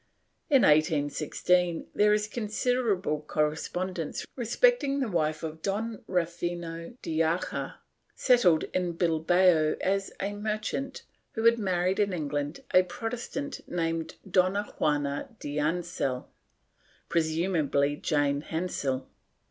In 1816 there is considerable correspondence respecting the wife of Don Rufino de Acha, settled in Bilbao as a merchant, who had married in England a Protestant named Dona Juana de Ancell — presumably Jane Hansell.